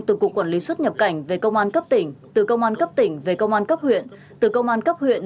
từ cục quản lý xuất nhập cảnh về công an cấp tỉnh từ công an cấp tỉnh về công an cấp huyện